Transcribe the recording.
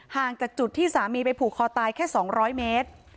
ห่างจากจุดที่สามีไปผูกคอตายแค่๒๐๐เมตร